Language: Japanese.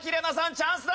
チャンスだ！